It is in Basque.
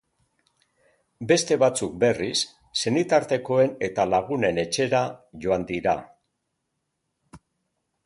Beste batzuk, berriz, senitartekoen eta lagunen etxera joan dira.